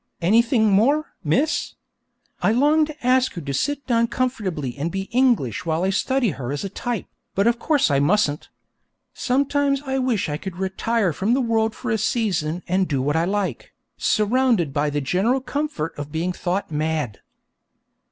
Anythink more, miss?' I long to ask her to sit down comfortably and be English while I study her as a type, but of course I mustn't. Sometimes I wish I could retire from the world for a season and do what I like, 'surrounded by the general comfort of being thought mad.'